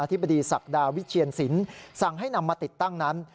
ธิบดีศักดาวิเชียนศิลป์สั่งให้นำมาติดตั้งนั้น